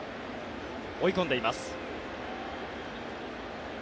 追い込んでいます。